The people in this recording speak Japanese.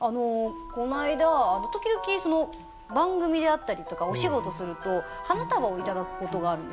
この間時々番組であったりとかお仕事すると花束を頂くことがあるんですよ。